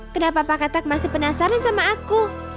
kenapa pak katak masih penasaran sama aku